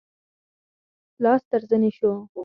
لاس تر زنې شو.